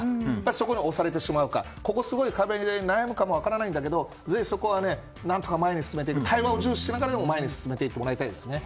そこで押されてしまうかここすごい壁で悩むかも分からないけどぜひ、そこは何とか前に進めて対話を重視しながらでも前に進めていってもらいたいですね。